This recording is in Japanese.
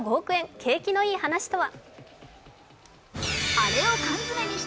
景気のいい話とは。